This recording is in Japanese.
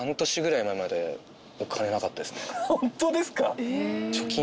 ホントですか？